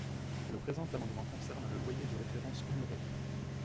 Le présent amendement concerne le loyer de référence minoré.